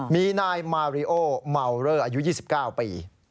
มีนายมาริโอเมาเลอร์อายุ๒๙ปี